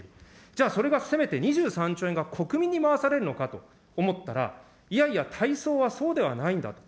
じゃあ、それがせめて２３兆円が国民に回されるのかと思ったら、いやいやたいそうはそうではないんだと。